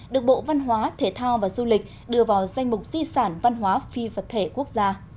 được bộ văn hóa thể thao và du lịch đưa vào danh mục di sản văn hóa phi vật thể quốc gia